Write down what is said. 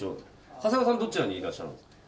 長谷川さんどちらにいらっしゃるんですか？